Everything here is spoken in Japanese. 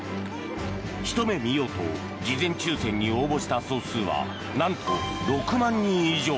ひと目見ようと事前抽選に応募した総数はなんと６万人以上。